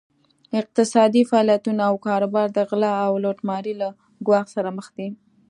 اقتصادي فعالیتونه او کاروبار د غلا او لوټمارۍ له ګواښ سره مخ دي.